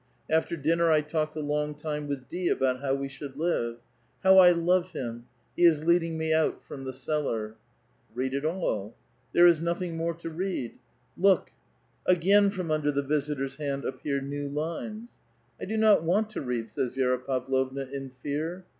After dinner, I talked a long time with L). about how we should live. How I love him I lie is leading me out from the cellar !" ''Read it all." " There is nothing more to read." '' Look 1 " Again from under the visitor's hand appear new lines. "1 do not want to read,*^ says Vi6ra Pavlovna, in fear.